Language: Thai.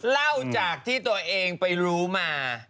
เล่าจากที่ตัวเองไปรู้มา